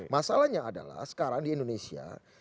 masalahnya adalah sekarang di indonesia